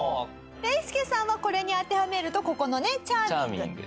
えーすけさんはこれに当てはめるとここのねチャーミング。